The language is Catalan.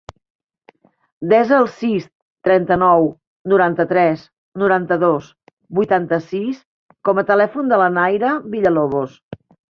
Desa el sis, trenta-nou, noranta-tres, noranta-dos, vuitanta-sis com a telèfon de la Nayra Villalobos.